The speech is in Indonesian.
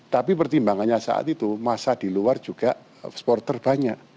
tapi pertimbangannya saat itu masa di luar juga supporter banyak